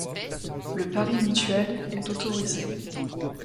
Le pari mutuel est autorisé.